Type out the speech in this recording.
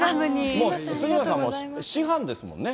杉野さん、師範ですもんね？